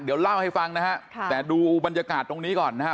เดี๋ยวเล่าให้ฟังนะฮะค่ะแต่ดูบรรยากาศตรงนี้ก่อนนะฮะ